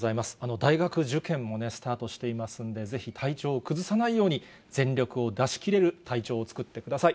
大学受験もね、スタートしていますので、ぜひ、体調を崩さないように、全力を出し切れる体調を作ってください。